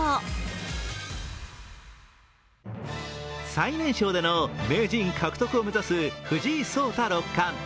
最年少での名人獲得を目指す藤井聡太六冠。